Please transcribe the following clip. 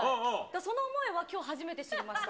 その思いは、きょう初めて知りました。